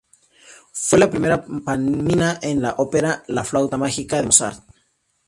Fue la primera Pamina en la ópera "La flauta mágica", de Mozart.